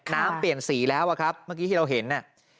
น้ำเปลี่ยนสีแล้วอะครับเมื่อกี้ที่เราเห็นน่ะ